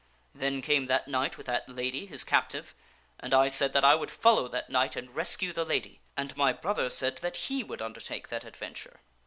Then came that knight with that lady, his captive, and I said that I would follow that knight and rescue the lady, and my brother said that he would undertake that adventure.